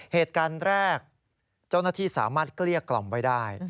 เหตุการณ์แรกเจ้าหน้าที่สามารถเกลี้ยกล่อมไว้ได้